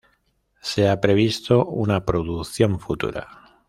Se ha previsto una producción futura.